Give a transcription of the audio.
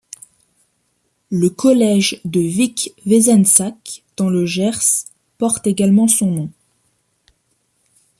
Le collège de Vic-Fezensac dans le Gers porte également son nom.